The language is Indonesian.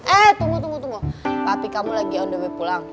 eh tunggu tunggu tunggu tapi kamu lagi on the way pulang